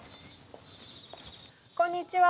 こんにちは。